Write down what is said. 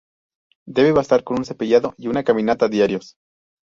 Debe bastar con un cepillado y una caminata diarios.